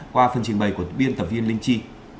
qua phần trình bày của biên tập viên linh chi